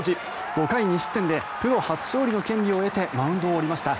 ５回２失点でプロ初勝利の権利を得てマウンドを降りました。